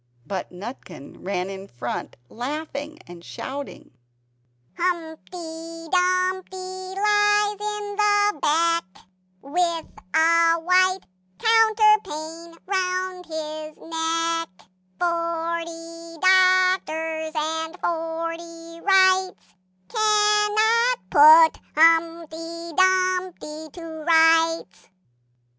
But Nutkin ran in front laughing, and shouting "Humpty Dumpty lies in the beck, With a white counterpane round his neck, Forty doctors and forty wrights, Cannot put Humpty Dumpty to rights!"